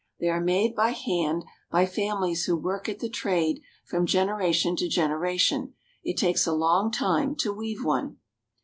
They are made by hand, by families who work at the trade from generation to gen eration. It takes a long time to weave one.